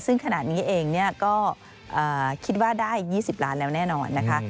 ซึ่งขณะนี้เองก็คิดว่าได้๒๐ล้านแล้วแน่นอนนะคะ